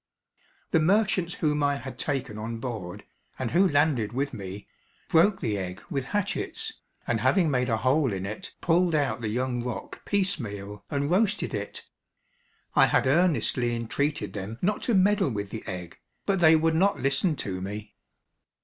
The merchants whom I had taken on board, and who landed with me, broke the egg with hatchets, and having made a hole in it, pulled out the young roc piecemeal and roasted it. I had earnestly entreated them not to meddle with the egg, but they would not listen to me.